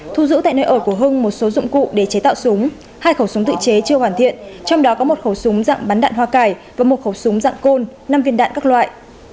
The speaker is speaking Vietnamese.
thu giữ tại nơi ở của hưng một số dụng cụ để chế tạo súng hai khẩu súng tự chế chưa hoàn thiện trong đó có một khẩu súng dạng bắn đạn hoa cải và một khẩu súng dạng côn năm viên đạn các loại